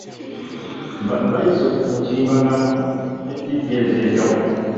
Bano bayise ku mutimbagano ne ttivi ez’enjawulo.